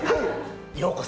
ようこそ。